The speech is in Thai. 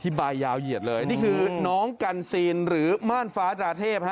บายยาวเหยียดเลยนี่คือน้องกันซีนหรือม่านฟ้าตราเทพฮะ